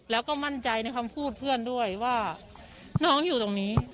แล้วก็มั่นใจในคำพูดเพื่อนด้วยว่าน้องอยู่ตรงนี้